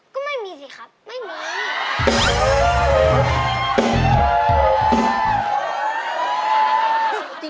ก็ไม่มีสิครับไม่มี